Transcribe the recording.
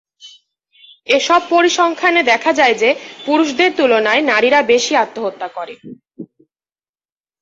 এসব পরিসংখ্যানে দেখা যায় যে, পুরুষদের তুলনায় নারীরা বেশি আত্মহত্যা করে।